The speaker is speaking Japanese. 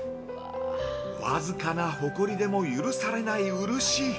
◆僅かなほこりでも許されない漆。